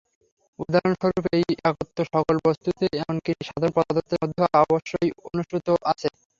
উদাহরণস্বরূপ এই একত্ব সকল বস্তুতে এমন কি সাধারণ পদার্থের মধ্যেও অবশ্যই অনুস্যূত আছে।